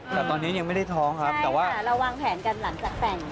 แต่ตอนนี้ยังไม่ได้ท้องครับแต่ว่าเราวางแผนกันหลังจากแต่ง